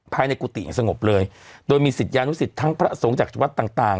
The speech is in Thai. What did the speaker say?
กุฏิอย่างสงบเลยโดยมีศิษยานุสิตทั้งพระสงฆ์จากวัดต่างต่าง